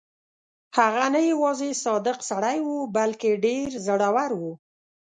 هغه نه یوازې صادق سړی وو بلکې ډېر زړه ور وو.